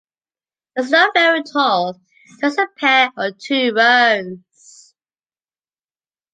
It's not very tall - just a pair or two rows.